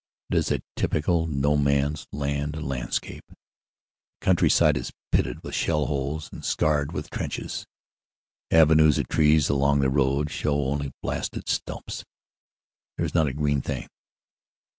It is a typical No Man s Land landscape. The countryside is pitted with shell holes and scarred with trenches. Avenues of trees along the road show only blasted stumps. There is not a green thing.